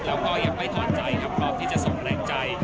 แล้วก็ยังไม่ทอดใจที่จะส่งแรงใจ